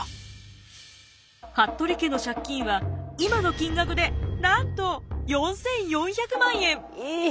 服部家の借金は今の金額でなんと４，４００万円！